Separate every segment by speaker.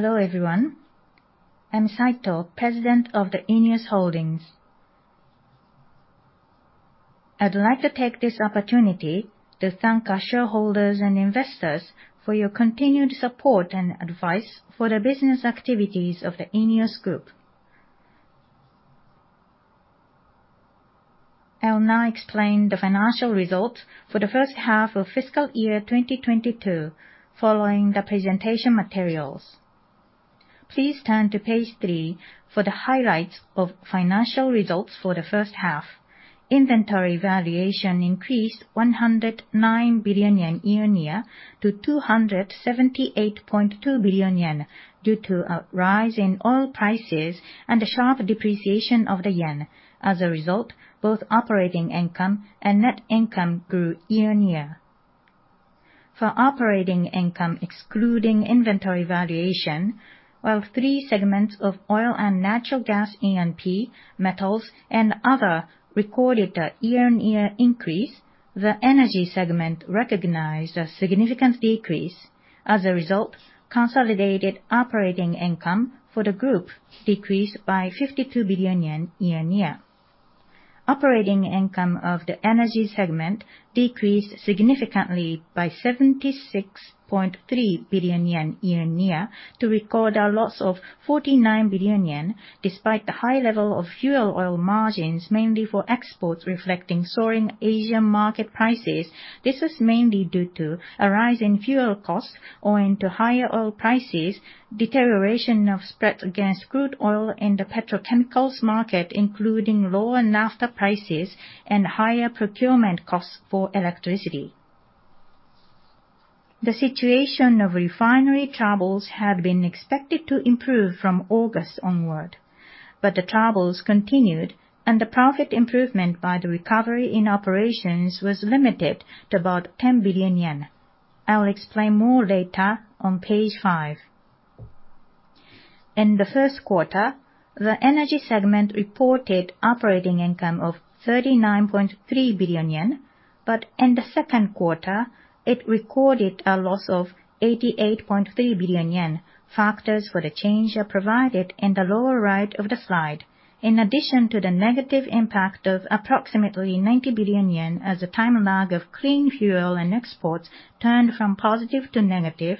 Speaker 1: Hello, everyone. I'm Saito, President of the ENEOS Holdings. I'd like to take this opportunity to thank our shareholders and investors for your continued support and advice for the business activities of the ENEOS Group. I'll now explain the financial results for the first half of fiscal year 2022 following the presentation materials. Please turn to page three for the highlights of financial results for the first half. Inventory valuation increased 109 billion yen year-on-year to 278.2 billion yen due to a rise in oil prices and the sharp depreciation of the yen. As a result, both operating income and net income grew year-on-year. For operating income, excluding inventory valuation, while three segments of oil and natural gas, E&P, Metals, and other recorded a year-on-year increase, the energy segment recognized a significant decrease. As a result, consolidated operating income for the group decreased by 52 billion yen year-on-year. Operating income of the energy segment decreased significantly by 76.3 billion yen year-on-year to record a loss of 49 billion yen, despite the high level of fuel oil margins, mainly for exports, reflecting soaring Asian market prices. This was mainly due to a rise in fuel costs owing to higher oil prices, deterioration of spread against crude oil in the petrochemicals market, including lower naphtha prices, and higher procurement costs for electricity. The situation of refinery troubles had been expected to improve from August onward, but the troubles continued, and the profit improvement by the recovery in operations was limited to about 10 billion yen. I'll explain more later on page five. In the first quarter, the energy segment reported operating income of 39.3 billion yen, but in the second quarter, it recorded a loss of 88.3 billion yen. Factors for the change are provided in the lower right of the slide. In addition to the negative impact of approximately 90 billion yen as a time lag of clean fuel and exports turned from positive to negative,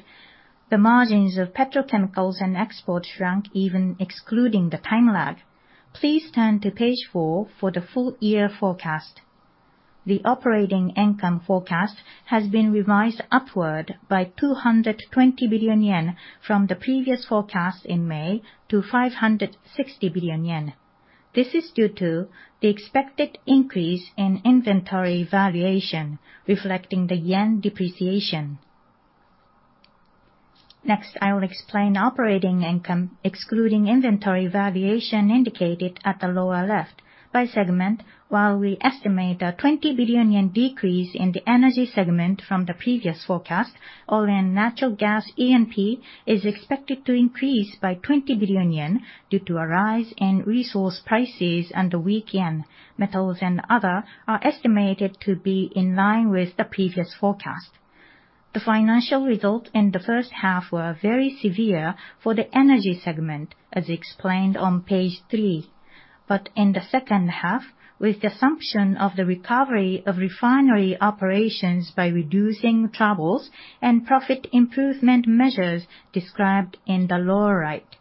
Speaker 1: the margins of petrochemicals and exports shrunk even excluding the time lag. Please turn to page four for the full year forecast. The operating income forecast has been revised upward by 220 billion yen from the previous forecast in May to 560 billion yen. This is due to the expected increase in inventory valuation reflecting the yen depreciation. Next, I will explain operating income, excluding inventory valuation indicated at the lower left by segment. While we estimate a 20 billion yen decrease in the energy segment from the previous forecast, oil and natural gas, E&P, is expected to increase by 20 billion yen due to a rise in resource prices and the weak yen. Metals and other are estimated to be in line with the previous forecast. The financial results in the first half were very severe for the energy segment, as explained on page three. In the second half, with the assumption of the recovery of refinery operations by reducing troubles and profit improvement measures described in the lower right,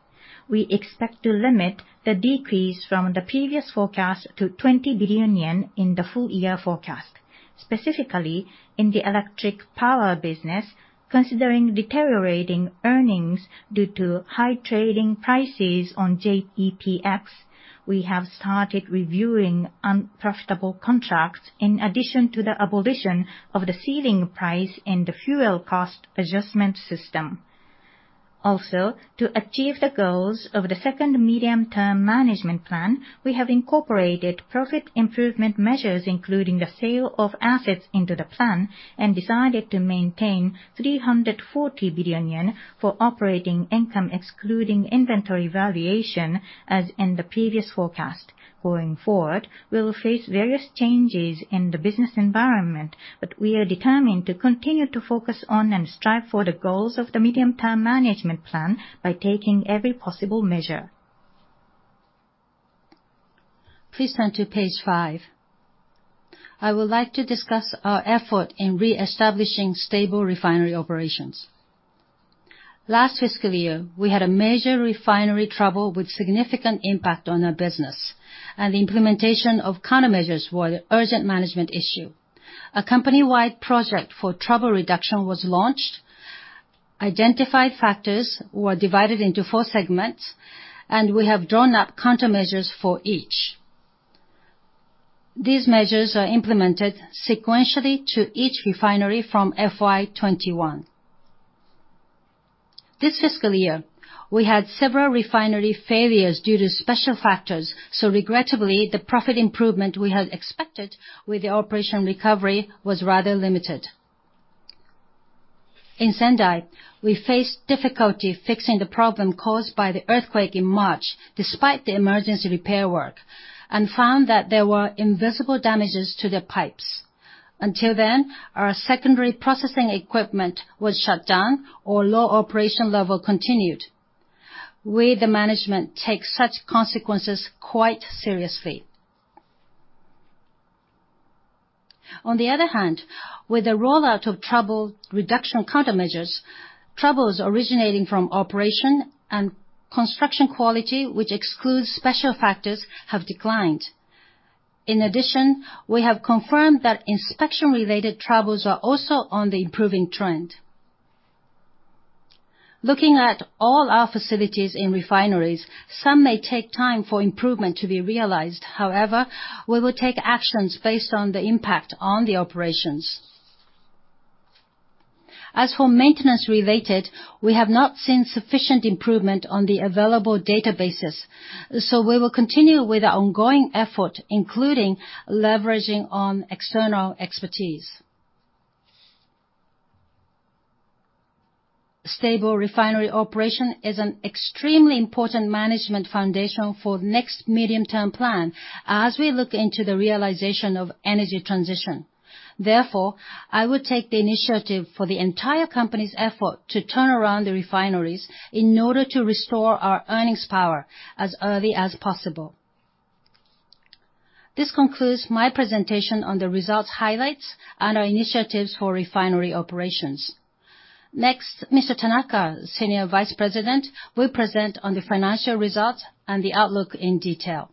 Speaker 1: we expect to limit the decrease from the previous forecast to 20 billion yen in the full year forecast. Specifically, in the electric power business, considering deteriorating earnings due to high trading prices on JEPX, we have started reviewing unprofitable contracts in addition to the abolition of the ceiling price in the fuel cost adjustment system. Also, to achieve the goals of the second medium-term management plan, we have incorporated profit improvement measures, including the sale of assets into the plan, and decided to maintain 340 billion yen for operating income excluding inventory valuation, as in the previous forecast. Going forward, we'll face various changes in the business environment, but we are determined to continue to focus on and strive for the goals of the medium-term management plan by taking every possible measure. Please turn to page five. I would like to discuss our effort in reestablishing stable refinery operations. Last fiscal year, we had a major refinery trouble with significant impact on our business, and the implementation of countermeasures was an urgent management issue. A company-wide project for trouble reduction was launched. Identified factors were divided into four segments, and we have drawn up countermeasures for each. These measures are implemented sequentially to each refinery from FY 2021. This fiscal year, we had several refinery failures due to special factors, so regrettably, the profit improvement we had expected with the operation recovery was rather limited. In Sendai, we faced difficulty fixing the problem caused by the earthquake in March, despite the emergency repair work, and found that there were invisible damages to the pipes. Until then, our secondary processing equipment was shut down or low operation level continued. We, the management, take such consequences quite seriously. On the other hand, with the rollout of trouble reduction countermeasures, troubles originating from operation and construction quality, which excludes special factors, have declined. In addition, we have confirmed that inspection-related troubles are also on the improving trend. Looking at all our facilities in refineries, some may take time for improvement to be realized. However, we will take actions based on the impact on the operations. As for maintenance-related, we have not seen sufficient improvement on the available databases, so we will continue with our ongoing effort, including leveraging on external expertise. Stable refinery operation is an extremely important management foundation for next medium-term plan as we look into the realization of energy transition. Therefore, I would take the initiative for the entire company's effort to turn around the refineries in order to restore our earnings power as early as possible. This concludes my presentation on the results highlights and our initiatives for refinery operations. Next, Mr. Tanaka, Senior Vice President, will present on the financial results and the outlook in detail.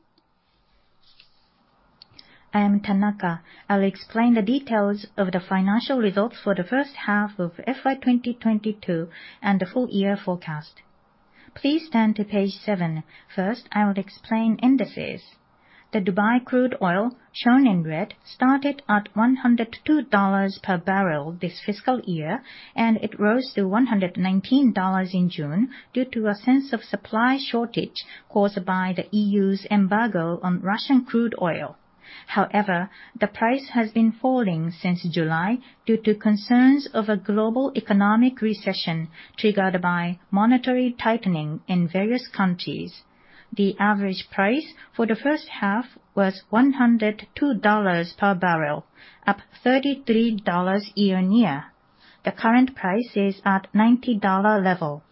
Speaker 2: I am Soichiro Tanaka. I'll explain the details of the financial results for the first half of FY 2022 and the full year forecast. Please turn to page 7. First, I will explain indices. The Dubai crude oil, shown in red, started at $102 per barrel this fiscal year, and it rose to $119 in June due to a sense of supply shortage caused by the EU's embargo on Russian crude oil. However, the price has been falling since July due to concerns of a global economic recession triggered by monetary tightening in various countries. The average price for the first half was $102 per barrel, up $33 year-on-year. The current price is at $90 level.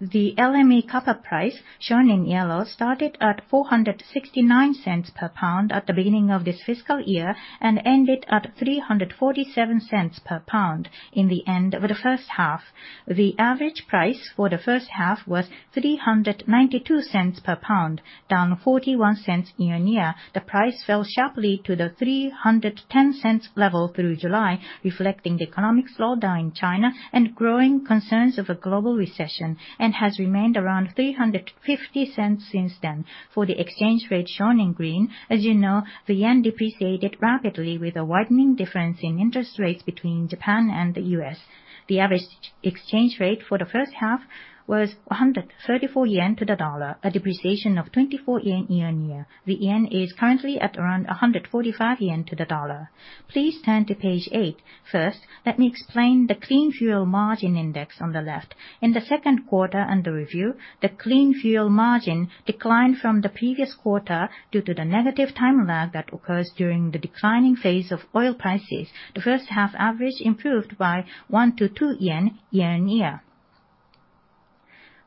Speaker 2: The LME copper price, shown in yellow, started at 469 cents per pound at the beginning of this fiscal year and ended at 347 cents per pound at the end of the first half. The average price for the first half was 392 cents per pound, down 41 cents year-over-year. The price fell sharply to the 310 cents level through July, reflecting the economic slowdown in China and growing concerns of a global recession, and has remained around 350 cents since then. For the exchange rate, shown in green, as you know, the JPY depreciated rapidly with a widening difference in interest rates between Japan and the U.S. The average exchange rate for the first half was 134 yen to the dollar, a depreciation of 24 yen year-over-year. The yen is currently at around 145 yen to the dollar. Please turn to page eight. First, let me explain the clean fuel margin index on the left. In the second quarter under review, the clean fuel margin declined from the previous quarter due to the negative time lag that occurs during the declining phase of oil prices. The first half average improved by 1-2 yen year-on-year.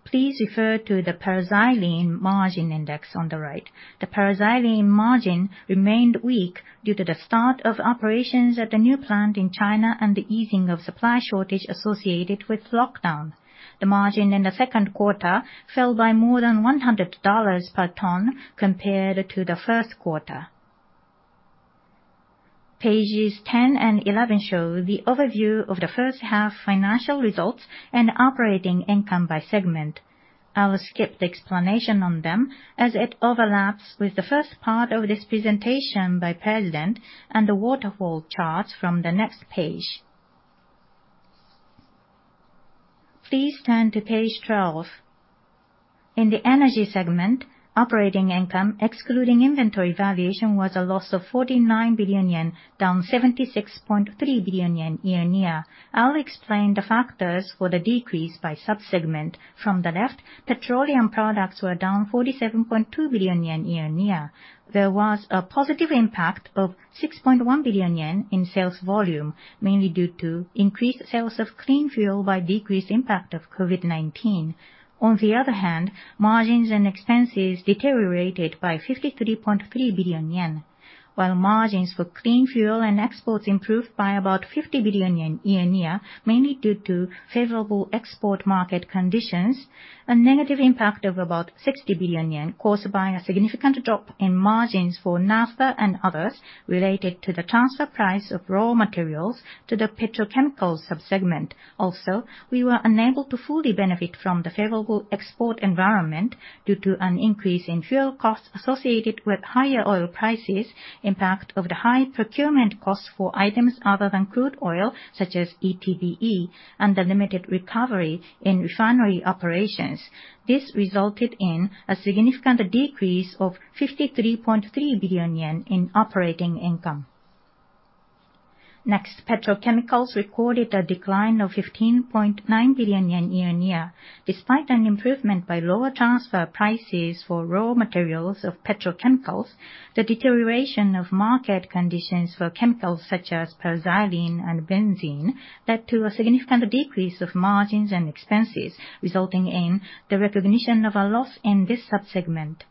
Speaker 2: Please refer to the paraxylene margin index on the right. The paraxylene margin remained weak due to the start of operations at the new plant in China and the easing of supply shortage associated with lockdown. The margin in the second quarter fell by more than $100 per ton compared to the first quarter. Pages 10 and 11 show the overview of the first half financial results and operating income by segment. I will skip the explanation on them, as it overlaps with the first part of this presentation by the President and the waterfall charts from the next page. Please turn to page 12. In the energy segment, operating income, excluding inventory valuation, was a loss of 49 billion yen, down 76.3 billion yen year-on-year. I'll explain the factors for the decrease by sub-segment. From the left, petroleum products were down 47.2 billion yen year-on-year. There was a positive impact of 6.1 billion yen in sales volume, mainly due to increased sales of clean fuel due to the decreased impact of COVID-19. On the other hand, margins and expenses deteriorated by 53.3 billion yen. While margins for clean fuel and exports improved by about 50 billion yen year-on-year, mainly due to favorable export market conditions, a negative impact of about 60 billion yen caused by a significant drop in margins for naphtha and others related to the transfer price of raw materials to the petrochemicals sub-segment. Also, we were unable to fully benefit from the favorable export environment due to an increase in fuel costs associated with higher oil prices, impact of the high procurement costs for items other than crude oil, such as ETBE, and the limited recovery in refinery operations. This resulted in a significant decrease of 53.3 billion yen in operating income. Next, petrochemicals recorded a decline of 15.9 billion yen year-on-year. Despite an improvement by lower transfer prices for raw materials of petrochemicals, the deterioration of market conditions for chemicals such as paraxylene and benzene led to a significant decrease of margins and expenses, resulting in the recognition of a loss in this sub-segment.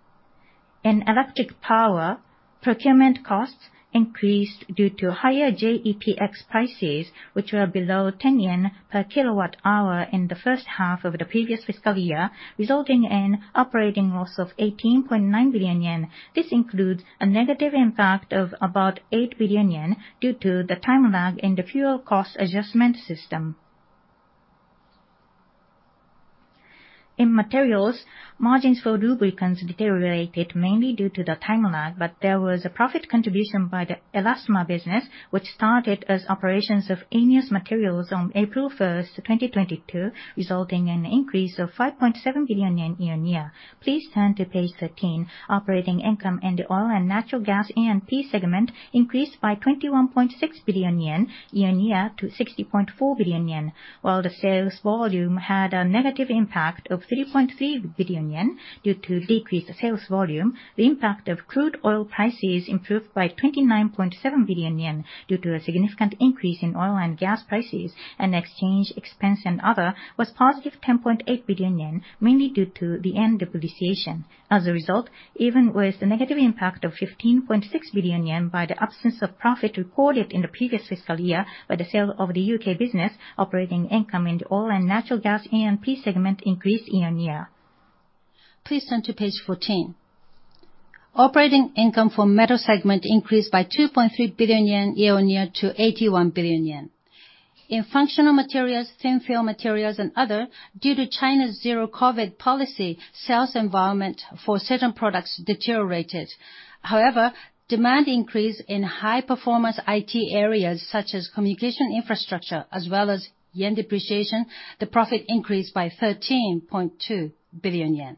Speaker 2: In electric power, procurement costs increased due to higher JEPX prices, which were below 10 yen per kWh in the first half of the previous fiscal year, resulting in operating loss of 18.9 billion yen. This includes a negative impact of about 8 billion yen due to the time lag in the fuel cost adjustment system. In materials, margins for lubricants deteriorated, mainly due to the time lag, but there was a profit contribution by the Elastomer business, which started as operations of ENEOS Materials on April 1, 2022, resulting in an increase of 5.7 billion yen year-on-year. Please turn to page 13. Operating income in the oil and natural gas E&P segment increased by 21.6 billion yen year-on-year to 60.4 billion yen. While the sales volume had a negative impact of 3.3 billion yen due to decreased sales volume, the impact of crude oil prices improved by 29.7 billion yen due to a significant increase in oil and gas prices, and exchange expense and other was positive 10.8 billion yen, mainly due to the yen depreciation. As a result, even with the negative impact of 15.6 billion yen by the absence of profit recorded in the previous fiscal year by the sale of the UK business, operating income in the oil and natural gas E&P segment increased year-on-year. Please turn to page 14. Operating income for Metal segment increased by 2.3 billion yen year-on-year to 81 billion yen. In functional materials, thin-film materials and other, due to China's zero-COVID policy, sales environment for certain products deteriorated. However, demand increase in high-performance IT areas such as communication infrastructure as well as yen depreciation, the profit increased by 13.2 billion yen.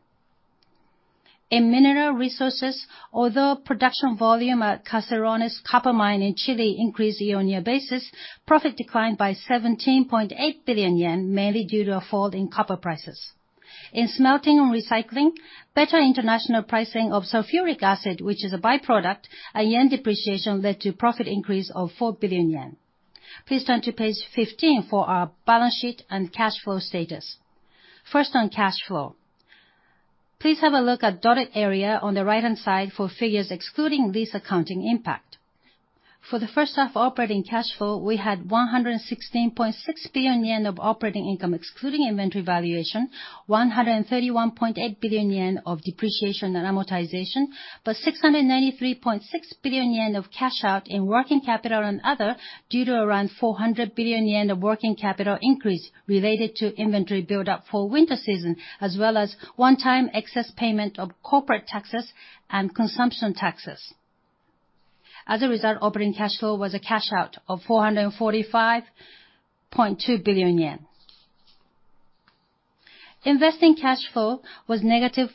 Speaker 2: In mineral resources, although production volume at Caserones copper mine in Chile increased year-on-year basis, profit declined by 17.8 billion yen, mainly due to a fall in copper prices. In smelting and recycling, better international pricing of sulfuric acid, which is a by-product, and yen depreciation led to profit increase of 4 billion yen. Please turn to page 15 for our balance sheet and cash flow status. First, on cash flow, please have a look at dotted area on the right-hand side for figures excluding lease accounting impact. For the first half operating cash flow, we had 116.6 billion yen of operating income, excluding inventory valuation, 131.8 billion yen of depreciation and amortization, but 693.6 billion yen of cash out in working capital and other, due to around 400 billion yen of working capital increase related to inventory buildup for winter season, as well as one-time excess payment of corporate taxes and consumption taxes. As a result, operating cash flow was a cash out of 445.2 billion yen. Investing cash flow was -57.6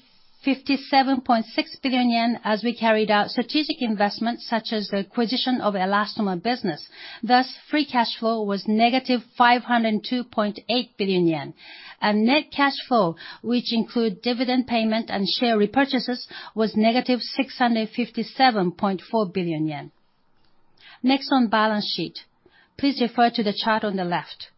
Speaker 2: billion yen as we carried out strategic investments such as the acquisition of Elastomer business. Thus, free cash flow was -502.8 billion yen. Net cash flow, which include dividend payment and share repurchases, was negative 657.4 billion yen. Next, on balance sheet, please refer to the chart on the left.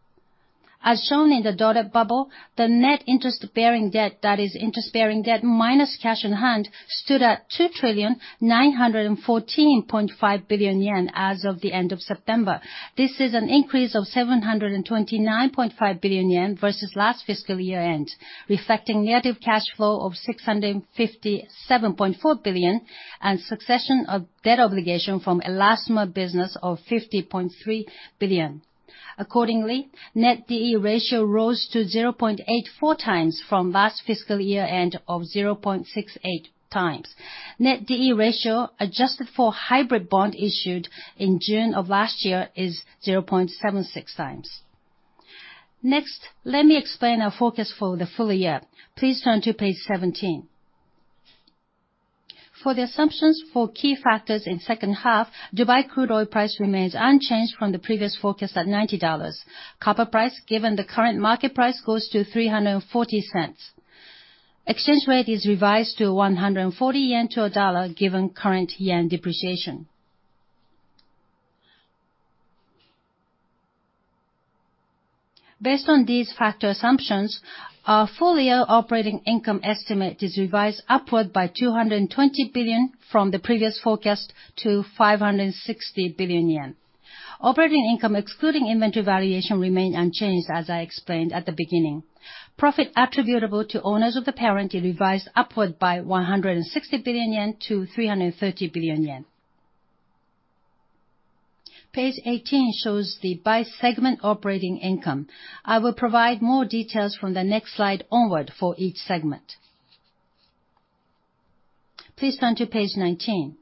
Speaker 2: As shown in the dotted bubble, the net interest-bearing debt, that is interest-bearing debt minus cash on hand, stood at 2,914.5 billion yen as of the end of September. This is an increase of 729.5 billion yen versus last fiscal year-end, reflecting negative cash flow of 657.4 billion, and assumption of debt obligation from Elastomer business of 50.3 billion. Accordingly, net DE ratio rose to 0.84 times from last fiscal year-end of 0.68 times. Net DE ratio, adjusted for hybrid bond issued in June of last year, is 0.76 times. Next, let me explain our forecast for the full year. Please turn to page 17. For the assumptions for key factors in second half, Dubai crude oil price remains unchanged from the previous forecast at $90. Copper price, given the current market price, goes to $3.40. Exchange rate is revised to 140 yen to a dollar, given current yen depreciation. Based on these factor assumptions, our full year operating income estimate is revised upward by 220 billion from the previous forecast to 560 billion yen. Operating income, excluding inventory valuation, remain unchanged as I explained at the beginning. Profit attributable to owners of the parent is revised upward by 160 billion yen to 330 billion yen. Page 18 shows the by-segment operating income. I will provide more details from the next slide onward for each segment. Please turn to page 19.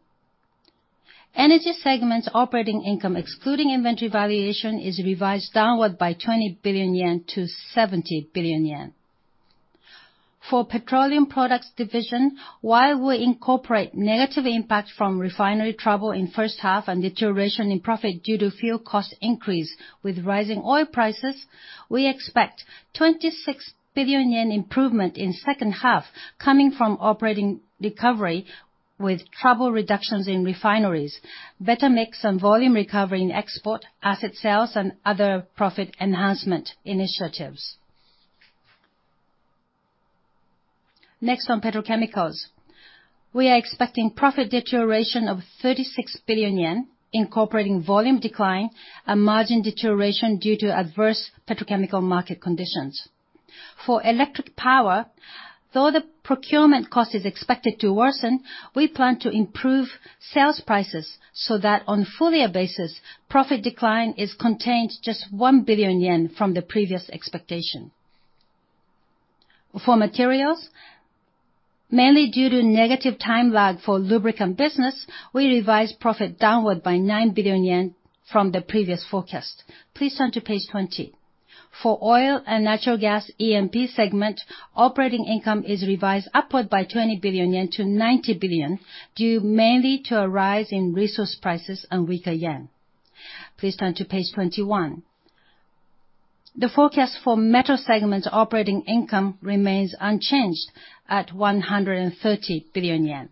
Speaker 2: Energy segment operating income, excluding inventory valuation, is revised downward by 20 billion yen to 70 billion yen. For petroleum products division, while we incorporate negative impact from refinery trouble in first half and deterioration in profit due to fuel cost increase with rising oil prices, we expect 26 billion yen improvement in second half coming from operating recovery with trouble reductions in refineries, better mix and volume recovery in export, asset sales, and other profit enhancement initiatives. Next on petrochemicals. We are expecting profit deterioration of 36 billion yen, incorporating volume decline and margin deterioration due to adverse petrochemical market conditions. For electric power, though the procurement cost is expected to worsen, we plan to improve sales prices so that on full year basis, profit decline is contained just 1 billion yen from the previous expectation. For materials, mainly due to negative time lag for lubricant business, we revised profit downward by 9 billion yen from the previous forecast. Please turn to page 20. For oil and natural gas E&P segment, operating income is revised upward by 20 billion yen to 90 billion, due mainly to a rise in resource prices and weaker JPY. Please turn to page 21. The forecast for Metal segment operating income remains unchanged at 130 billion yen.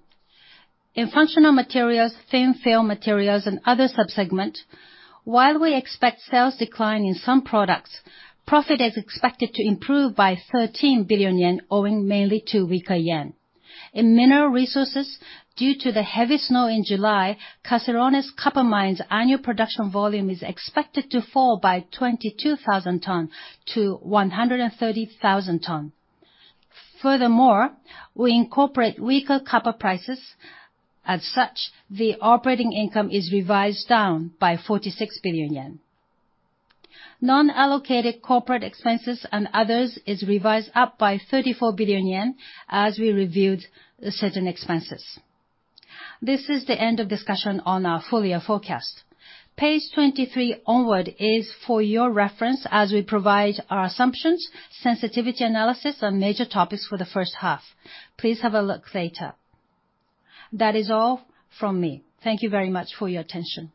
Speaker 2: In functional materials, thin-film materials and other sub-segment, while we expect sales decline in some products, profit is expected to improve by 13 billion yen, owing mainly to weaker yen. In mineral resources, due to the heavy snow in July, Caserones copper mine's annual production volume is expected to fall by 22,000 tons to 130,000 tons. Furthermore, we incorporate weaker copper prices. As such, the operating income is revised down by 46 billion yen. Non-allocated corporate expenses and others is revised up by 34 billion yen as we reviewed certain expenses. This is the end of discussion on our full year forecast. Page 23 onward is for your reference as we provide our assumptions, sensitivity analysis, and major topics for the first half. Please have a look later. That is all from me. Thank you very much for your attention.